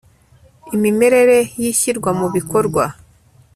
imimerere y ishyirwa mu bikorwa